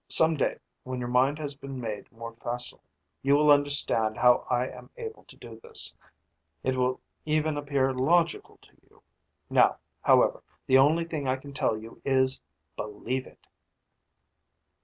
Someday, when your mind has been made more facile, you will understand how I am able to do this. It will even appear logical to you. Now, however, the only thing I can tell you is believe it!"